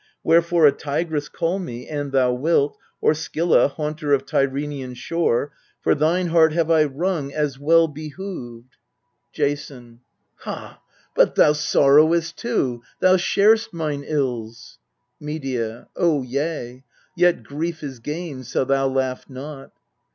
Wherefore a tigress call me, an thou wilt, Or Scylla, haunter of Tyrrhenian shore ; For thine heart have I wrung, as well behooved, MEDEA 287 Jason. Ha ! but thou sorrowest too, thou shar'st mine ills! Medea. Oh, yea: yet grief is gain, so thou laugh not.